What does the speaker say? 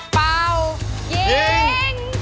เป่ายิง